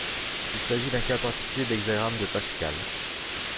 Il s'agit d'un cas particulier d'hexagramme de Pascal.